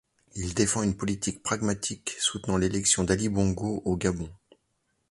Il défend une politique pragmatique, soutenant l'élection d'Ali Bongo au Gabon.